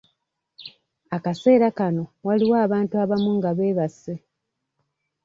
Akaseera kano waliwo abantu abamu nga beebase.